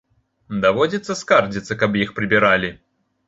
Даводзіцца скардзіцца, каб іх прыбіралі.